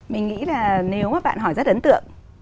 mình nghĩ là nếu bạn hỏi rất ấn tượng